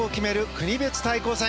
国別対抗戦。